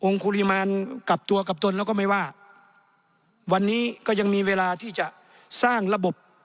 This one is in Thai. คุริมาณกับตัวกับตนแล้วก็ไม่ว่าวันนี้ก็ยังมีเวลาที่จะสร้างระบบ